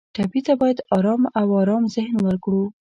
ټپي ته باید آرام او ارام ذهن ورکړو.